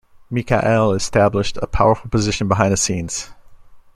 Mikael established a powerful position behind the scenes.